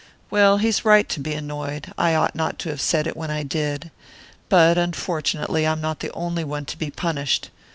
Well, he's right to be annoyed: I ought not to have said it when I did. But unfortunately I am not the only one to be punished.